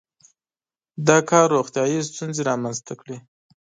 • دا کار روغتیايي ستونزې رامنځته کړې.